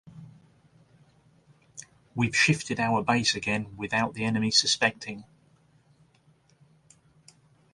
We've shifted our base again, without the enemy suspecting.